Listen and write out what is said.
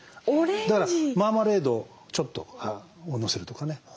だからマーマレードをちょっとのせるとかね。